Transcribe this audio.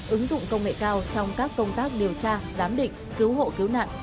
ứng dụng công nghệ cao trong các công tác điều tra giám định cứu hộ cứu nạn